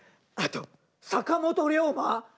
あと坂本龍馬